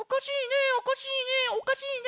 おかしいね。